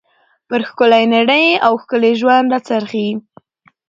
پر ښکلى نړۍ او ښکلي ژوند را څرخي.